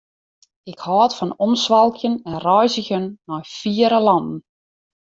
Ik hâld fan omswalkjen en reizgjen nei fiere lannen.